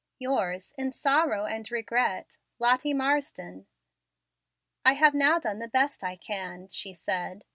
"Yours, in sorrow and regret, "LOTTIE MARSDEN." "I have now done the best I can," she said.